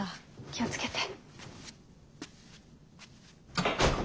気を付けて。